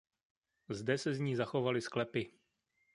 Zde se z ní zachovaly sklepy.